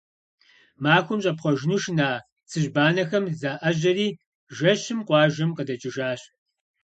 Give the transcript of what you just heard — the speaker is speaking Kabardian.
Махуэм щӀэпхъуэжыну шына цыжьбанэхэм заӀэжьэри, жэщым къуажэм къыдэкӀыжащ.